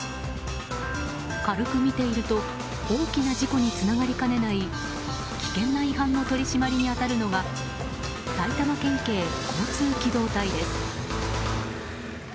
軽く見ていると大きな事故につながりかねない危険な違反の取り締まりに当たるのが埼玉県警交通機動隊です。